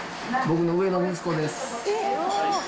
僕の上の息子です。